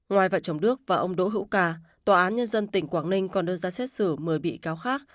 ngoài vợ chồng đức và ông đỗ hữu ca tòa án nhân dân tỉnh quảng ninh còn đưa ra xét xử một mươi bị cáo khác